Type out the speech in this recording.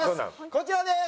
こちらです！